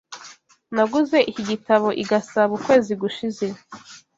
Naguze iki gitabo i Gasabo ukwezi gushize.